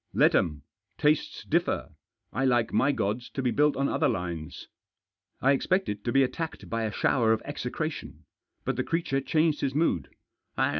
" Let 'em. Tastes differ. I like my gods to be built on other lines." I expected to be attacked by a shower of execra tion. But the creature changed his mood.